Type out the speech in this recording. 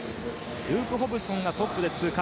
ルーク・ホブソンがトップで通過。